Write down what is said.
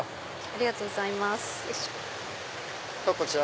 ありがとうございます。